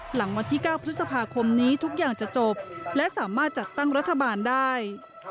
หลังวันที่๙พฤษภาคมนี้ทุกอย่างจะจบและสามารถจัดตั้งรัฐบาลได้